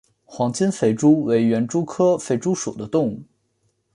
黄金肥蛛为园蛛科肥蛛属的动物。